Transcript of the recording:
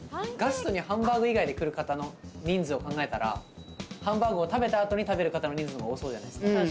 ガストにハンバーグ以外で来る方の人数を考えたらハンバーグを食べた後に食べる方の人数のほうが多そうじゃないですか。